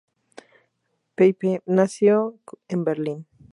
Pape nació en Berlín.